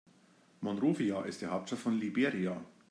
Monrovia ist die Hauptstadt von Liberia.